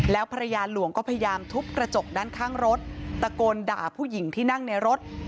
แล้วภรรยาหลวงก็พยายามทุบกระจกด้านข้างรถตะโกนด่าผู้หญิงที่นั่งในรถ